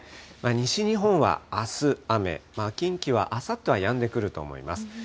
西日本はあす雨、近畿はあさってはやんでくると思います。